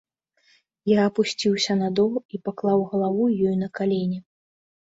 Я апусціўся на дол і паклаў галаву ёй на калені.